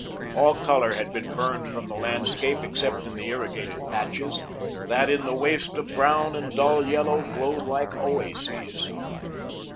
All colour had been burned from the landscape, except in the irrigated patches, that in the waste of brown and dull yellow glowed like oases.